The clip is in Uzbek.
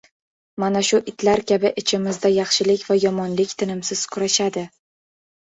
Mana shu itlar kabi ichimizda yaxshilik va yomonlik tinimsiz kurashadi.